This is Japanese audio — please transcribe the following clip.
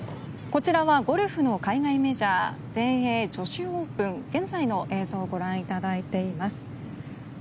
こちらはゴルフの海外メジャー全英女子オープン、現在の映像をご覧いただいています。